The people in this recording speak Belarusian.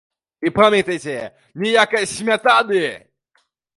І памятайце, ніякай смятаны!